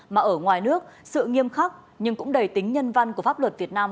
mà ở ngoài nước sự nghiêm khắc nhưng cũng đầy tính nhân văn của pháp luật việt nam